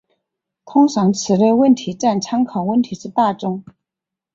通常此类问题占参考问题之大宗。